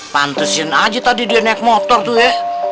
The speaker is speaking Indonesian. pantesin aja tadi dia naik motor tuh ya